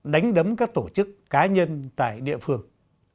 đánh đấm các tổ chức cá nhân tại địa phương